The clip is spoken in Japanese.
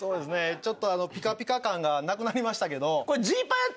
ちょっとピカピカ感がなくなりましたけど。